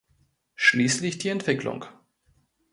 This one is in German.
Schließlich die Entwicklung.